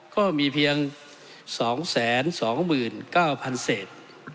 ก็มีเพียง๒๒๙๐๐เศษ